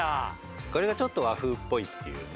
これがちょっと和風っぽいっていうね